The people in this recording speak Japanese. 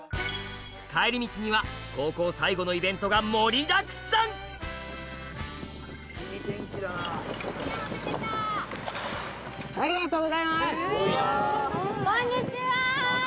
帰り道には高校最後のイベントが盛りだくさん！とそう。